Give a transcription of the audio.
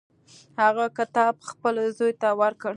هغه کتاب خپل زوی ته ورکړ.